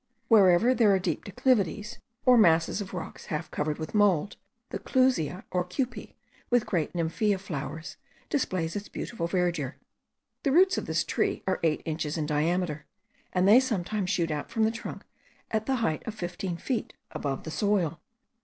Wherever there are deep declivities, or masses of rocks half covered with mould, the clusia or cupey, with great nymphaea flowers, displays its beautiful verdure. The roots of this tree are eight inches in diameter, and they sometimes shoot out from the trunk at the height of fifteen feet above the soil.